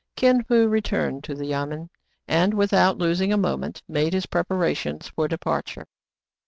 Kin Fo returned to the yamen, and, without los ing a moment, made his preparations for departure.